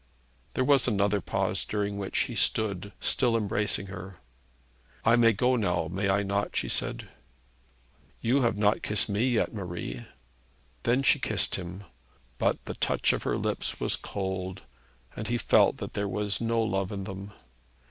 There was another pause during which he stood, still embracing her. 'I may go now; may I not?' she said. 'You have not kissed me yet, Marie?' Then she kissed him; but the touch of her lips was cold, and he felt that there was no love in them.